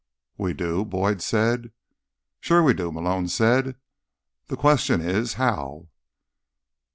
"We do?" Boyd said. "Sure we do," Malone said. "The question is: how?"